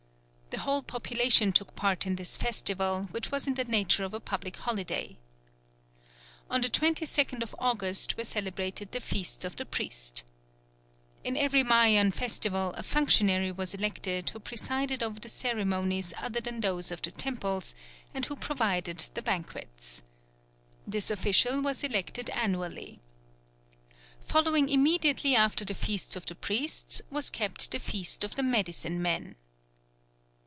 The whole population took part in this festival, which was in the nature of a public holiday. On the 22nd of August were celebrated the feasts of the priests. In every Mayan festival a functionary was elected who presided over the ceremonies other than those of the temples, and who provided the banquets. This official was elected annually. Following immediately after the feasts of the priests was kept the feast of the medicine men.